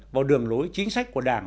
vào đường lối chính sách của đảng